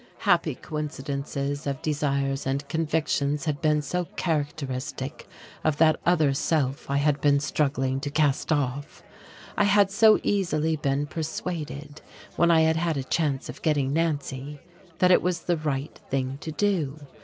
Happy coincidences of desires and convictions had been so characteristic of that other self I had been struggling to cast off: I had so easily been persuaded, when I had had a chance of getting Nancy, that it was the right thing to do!